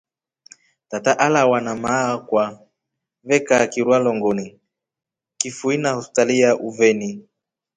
Tataa alawa na maakwa vekaaa kirwa longoni kifuii na hospital ya uveni.